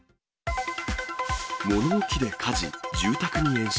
物置で火事、住宅に延焼。